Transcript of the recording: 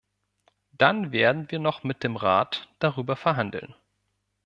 Dann werden wir noch mit dem Rat darüber verhandeln.